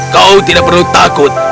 kau tidak perlu takut